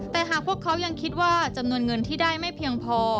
แต่หากพวกเขายังคิดว่าจำนวนเงินที่ได้ไม่เพียงพอ